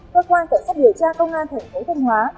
cơ quan cơ sát điều tra công an tỉnh thế thân hóa